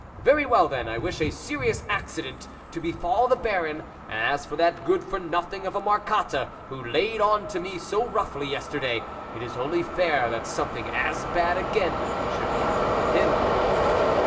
Very well then, I wish a serious accident to be fall the Baron, and as for that good for nothing of a Marcotte, who laid on to me so roughly yesterday, it is only fair that something as bad again should happen to him."